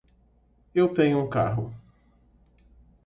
Eu tenho um carro.